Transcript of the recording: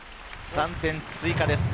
３点追加です。